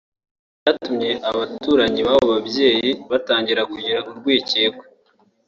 Ibi byatumye abaturanyi b’abo babyeyi batangira kugira urwikekwe